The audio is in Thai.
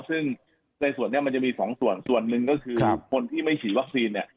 ซึ่งในส่วนนี้มันจะมีสองส่วนส่วนหนึ่งก็คือคนที่ไม่ฉีดวัคซีนเนี่ย